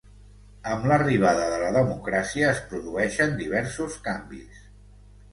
Amb l'arribada de la democràcia es produeixen diversos canvis.